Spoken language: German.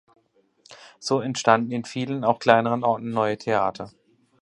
So entstanden in vielen, auch kleineren Orten neue Theater.